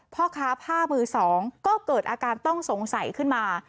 พ่อค้าผ้ามือสองก็เกิดอาการต้องสงสัยขึ้นมา